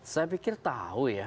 saya pikir tahu ya